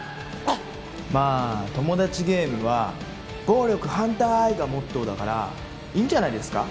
まあトモダチゲームは「暴力反対」がモットーだからいいんじゃないですか？